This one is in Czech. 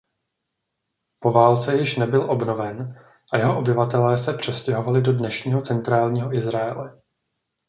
Po válce již nebyl obnoven a jeho obyvatelé se přestěhovali do dnešního centrálního Izraele.